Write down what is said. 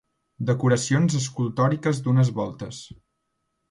Decoracions escultòriques d'unes voltes.